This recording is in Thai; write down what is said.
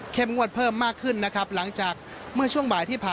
งวดเพิ่มมากขึ้นนะครับหลังจากเมื่อช่วงบ่ายที่ผ่าน